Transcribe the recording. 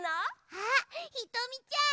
あっひとみちゃん！